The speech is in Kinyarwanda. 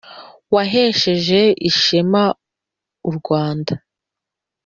Wahesheje ishema u Rwanda